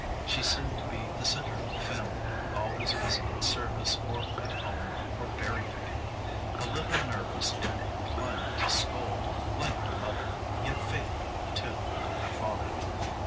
She seemed to be the centre of the family: always busy at service, or at home, or berry picking; a little nervous and inclined to scold, like her mother, yet faithful, too, like her father.